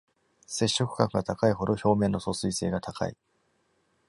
接触角が高いほど表面の疎水性が高い。